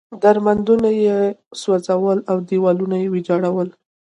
درمندونه یې سوځول او دېوالونه یې ویجاړول.